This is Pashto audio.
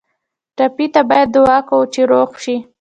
ټپي ته باید دعا کوو چې روغ شي.